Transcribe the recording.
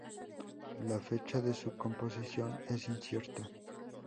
La fecha de su composición es incierta.